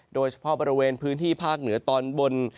โดยเฉพาะบริเวณพื้นที่ภาคเหนือตอนบน